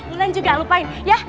ulan juga lupain ya